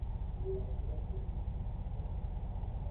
La invasión –según la película- fue un enorme fracaso.